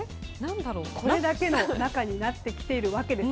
これだけの仲になってきているわけです。